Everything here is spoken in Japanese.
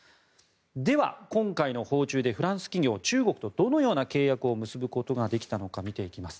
では、今回の訪中でフランス企業は中国と、どのような契約を結ぶことができたのか見ていきます。